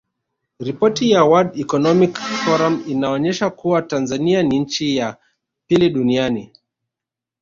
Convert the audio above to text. Ripoti ya Word Economic Forum inaonesha kuwa Tanzania ni nchi ya pili duniani